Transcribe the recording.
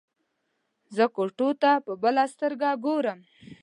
زه ټوکو ته په بله سترګه ګورم.